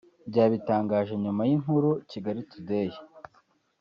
byabitangaje nyuma y’inkuru Kigalitoday